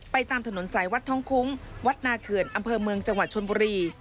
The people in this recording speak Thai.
ตามถนนสายวัดท้องคุ้งวัดนาเขื่อนอำเภอเมืองจังหวัดชนบุรี